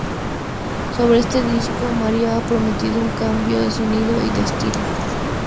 Sobre este disco, María ha prometido un cambio de sonido y de estilo.